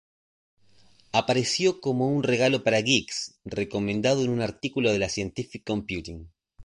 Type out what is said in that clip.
Apareció como un "regalo para geeks" recomendado en un artículo de la Scientific Computing.